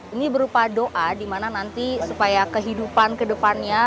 ini berupa doa di mana nanti supaya kehidupan kedepannya